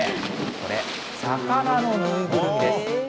これ、魚の縫いぐるみです。